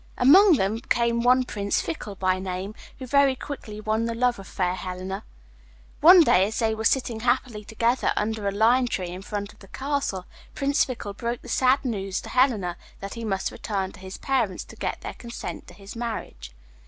Among them came one Prince Fickle by name, who very quickly won the love of fair Helena. One day, as they were sitting happily together under a lime tree in front of the castle, Prince Fickle broke the sad news to Helena that he must return to his parents to get their consent to his marriage.